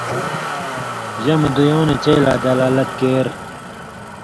جمع دُیُوں نہ چئ لا دلالت کېر